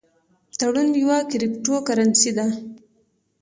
ټرون یوه کریپټو کرنسي ده